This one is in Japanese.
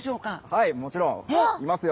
はいもちろんいますよ。